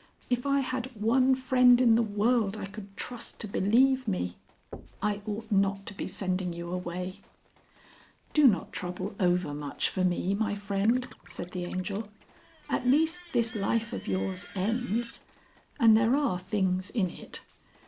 If I had one friend in the world I could trust to believe me!" "I ought not to be sending you away " "Do not trouble overmuch for me, my friend," said the Angel. "At least this life of yours ends. And there are things in it.